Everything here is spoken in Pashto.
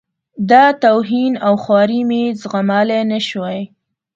دا توهین او خواري مې زغملای نه شوای.